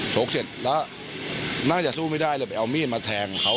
ชกเสร็จแล้วน่าจะสู้ไม่ได้เลยไปเอามีดมาแทงเขา